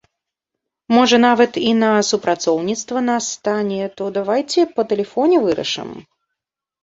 Можа нават і на супрацоўніцтва нас стане, то давайце па тэлефоне вырашым.